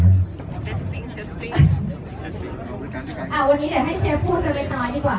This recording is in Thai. วันนี้เดี๋ยวให้เชฟพูดสักเล็กน้อยดีกว่า